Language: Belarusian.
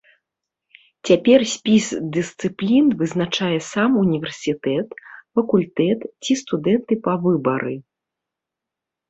Цяпер спіс дысцыплін вызначае сам універсітэт, факультэт ці студэнты па выбары.